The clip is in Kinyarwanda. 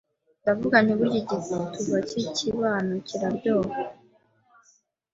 ndavuga nti burya igituba cy'ikibano kiraryoha